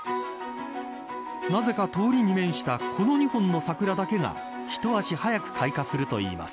なぜか通りに面したこの２本の桜だけが一足早く開花するといいます。